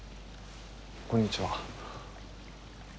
こんにちは。